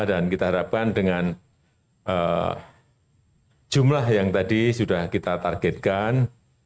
dan kita harapkan dengan jumlah yang tadi sudah kita targetkan